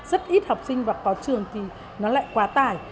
rất ít học sinh và có trường thì nó lại quá tải